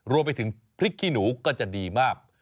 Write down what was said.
รวมไปถึงพริกขี้หนูก็จะดีมาก